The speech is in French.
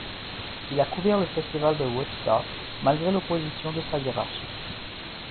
Il a couvert le festival de Woodstock, malgré l'opposition de sa hiérarchie.